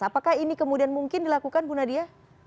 apakah ini kemudian mungkin dilakukan bu nadia